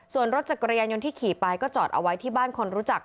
ส่วนรถจักรยานยนต์ที่ขี่ไปก็จอดเอาไว้ที่บ้านคนรู้จัก